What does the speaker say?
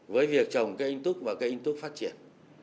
với việc trồng cây anh túc và cây anh túc phát triển